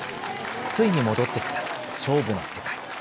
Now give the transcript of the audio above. ついに戻ってきた勝負の世界。